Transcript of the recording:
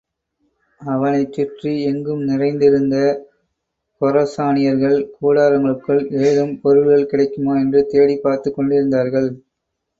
அவனைச்சுற்றி எங்கும் நிறைந்திருந்த கொரசானியர்கள் கூடாரங்களுக்குள் ஏதும் பொருள்கள் கிடைக்குமா என்று தேடிப் பார்த்துக் கொண்டிருந்தார்கள்.